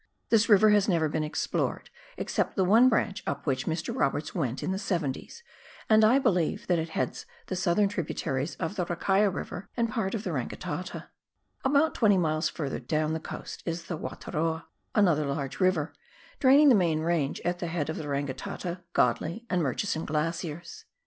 This river has never been ex plored, except the one branch up which Mr. Roberts went in the seventies, and I believe that it heads the southern tributaries of the Rakaia River and part of the Rangitata, About twenty miles further down the coast is the Wataroa, another large river, draining the main range at the head of the Rangitata, Godley, and Murchison glaciers.